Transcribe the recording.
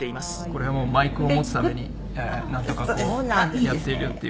これはもうマイクを持つためになんとかこうやっているっていう感じですね。